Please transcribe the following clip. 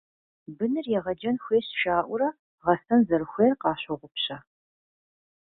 «Быныр егъэджэн хуейщ» жаӀэурэ, гъэсэн зэрыхуейр къащогъупщэ.